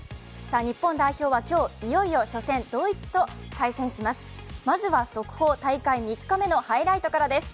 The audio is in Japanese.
日本代表は今日、いよいよ初戦ドイツと対戦します。